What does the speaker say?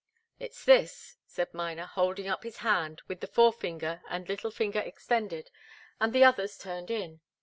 "It's this," said Miner, holding up his hand with the forefinger and little finger extended and the others turned in.